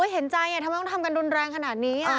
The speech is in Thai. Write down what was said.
เห็นใจทำไมต้องทำกันรุนแรงขนาดนี้